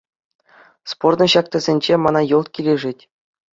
Спортӑн ҫак тӗсӗнче мана йӑлт килӗшет.